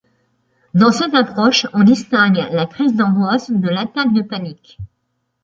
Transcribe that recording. Dans cette approche on distingue la crise d'angoisse de l'attaque de panique.